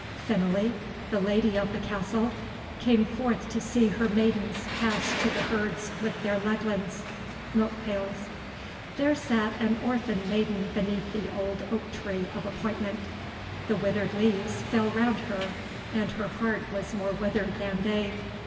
Finele, the Lady of the Castle, came forth to see her maidens pass to the herds with their leglins [Milk pails]. There sat an orphan maiden beneath the old oak tree of appointment. The withered leaves fell around her, and her heart was more withered than they.